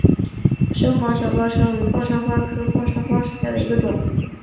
深红小报春为报春花科报春花属下的一个种。